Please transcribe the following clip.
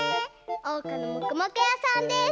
おうかの「もくもくやさん」です。